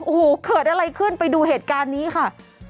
โอ้โหเกิดอะไรขึ้นไปดูเหตุการณ์นี้ค่ะ